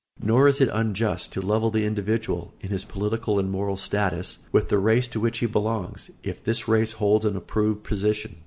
Nor is it unjust to level the individual, in his political and moral status, with the race to which he belongs, if this race holds an approved position.